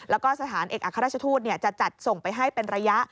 แล้วก็สถานเอกอัครราชทูตจะจัดส่งไปให้เป็นระยะ